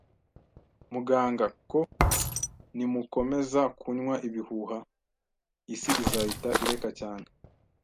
muganga, "ko nimukomeza kunywa ibihuha, isi izahita ireka cyane